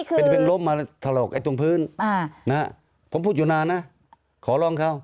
เป็นล้มมาถลอกไอ้ตรงพื้นผมพูดอยู่นานนะขอร้องเขา